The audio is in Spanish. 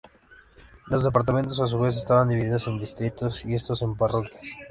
Los departamentos a su vez estaban divididos en distritos y estos en parroquias.